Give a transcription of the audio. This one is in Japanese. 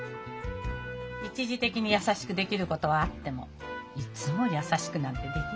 一時的に優しくできることはあってもいつも優しくなんてできない。